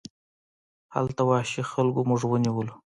هلته وحشي خلکو موږ ونیولو.